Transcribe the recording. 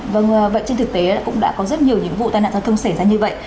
vâng vậy trên thực tế cũng đã có rất nhiều những vụ tai nạn giao thông xảy ra như vậy